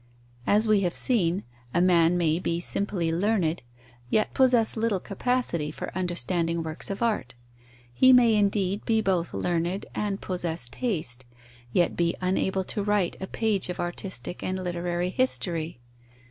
As we have seen, a man may be simply learned, yet possess little capacity for understanding works of art; he may indeed be both learned and possess taste, yet be unable to write a page of artistic and literary history.